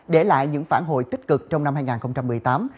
để lại những phản hồi tích cực trong năm hai nghìn một mươi tám